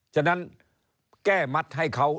ฉะนั้นแก้มัดให้เขา